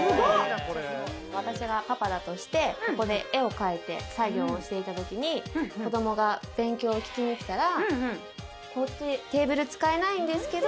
私がパパだとして、ここで絵を描いて作業をしていた時に子供が勉強を聞きに来たらテーブル使えないんですけど。